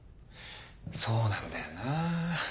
そうなんだよなぁ。